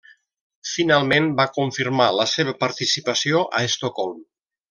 Finalment, va confirmar la seva participació a Estocolm.